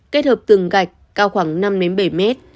kết hợp từng gạch cao khoảng năm bảy m